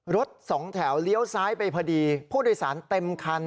รถสองแถวเลี้ยวซ้ายไปพอดีผู้โดยสารเต็มคัน